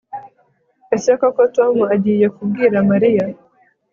Ese koko Tom agiye kubwira Mariya